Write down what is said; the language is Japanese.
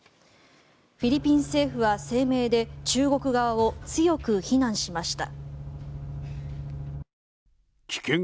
フィリピン政府は声明で中国側を強く非難しました。